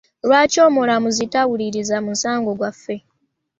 Lwaki omulamuzi tawuliriza musango gwaffe?